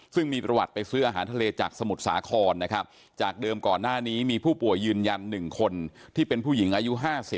ซึ่งมีประวัติไปซื้ออาหารทะเลจากสมุทรสาครนะครับจากเดิมก่อนหน้านี้มีผู้ป่วยยืนยัน๑คนที่เป็นผู้หญิงอายุ๕๐